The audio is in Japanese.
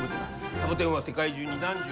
サボテンは世界中に何十何百。